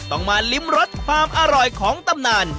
ต้องมาลิ้มรสความอร่อยของตำนาน